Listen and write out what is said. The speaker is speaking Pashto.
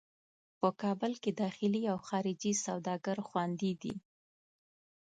په کابل کې داخلي او خارجي سوداګر خوندي دي.